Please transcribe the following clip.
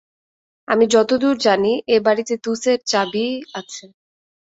আমি যতদূর জানি এ-বাড়িতে দু সেট চাবি আছে।